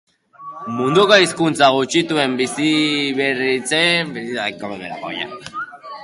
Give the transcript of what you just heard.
Munduko hizkuntza gutxituen biziberritze prozesuak bultzatzen laguntzen ditu, euskararen esperientziatik abiatuta.